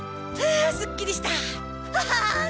あすっきりした！